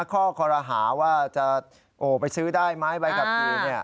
ข้อคอรหาว่าจะไปซื้อได้ไหมใบขับขี่